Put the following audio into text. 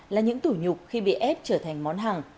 là những tủ nhục khi bị ép trở thành món hàng